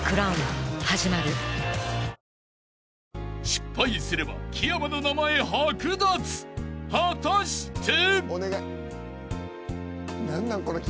［失敗すれば木山の名前剥奪果たして］